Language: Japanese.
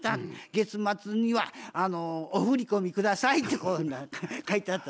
月末にはお振り込み下さい」とこう書いてあったわけよ。